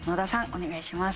お願いします。